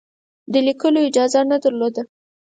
د لیکلو اجازه نه درلوده.